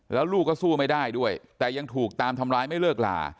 แล้วลูกก็สู้ไม่ได้ด้วยแต่ยังถูกตามทำร้ายไม่เลิกลา